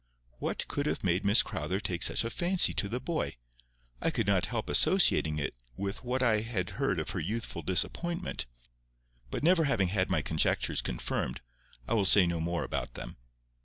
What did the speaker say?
What could have made Miss Crowther take such a fancy to the boy? I could not help associating it with what I had heard of her youthful disappointment, but never having had my conjectures confirmed, I will say no more about them.